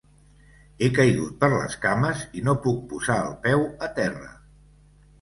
He caigut per les cames i no puc posar el peu a terra.